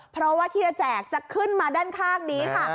เพราะว่าที่จะแจกจะขึ้นมาด้านข้างนี้ค่ะ